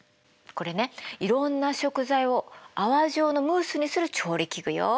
これねいろんな食材を泡状のムースにする調理器具よ。